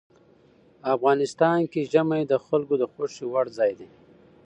افغانستان کې ژمی د خلکو د خوښې وړ ځای دی.